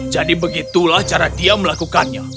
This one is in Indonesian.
jadi begitulah cara dia melakukannya